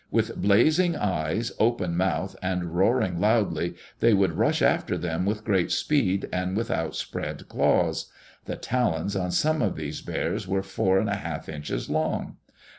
With blazing eyes, open mouth, and roaring loudly, they would rush after them with great speed and with outspread claws. The talons on some of these bears were four and one half inches long.